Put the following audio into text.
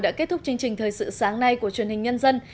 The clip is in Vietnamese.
đã kết thúc chương trình thời sự sáng nay của truyền hình nhân dân